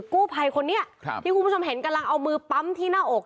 กู้ภัยคนนี้ที่คุณผู้ชมเห็นกำลังเอามือปั๊มที่หน้าอก